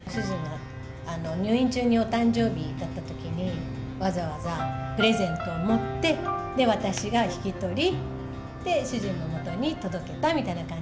主人が入院中にお誕生日だったときに、わざわざプレゼントを持って、私が引き取り、主人のもとに届けたみたいな感じ。